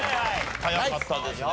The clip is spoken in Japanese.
早かったですね。